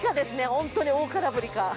本当に大空振りか。